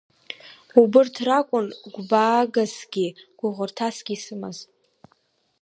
Убырҭ ракәын гәбаагасгьы гәыӷырҭасгьы исымаз.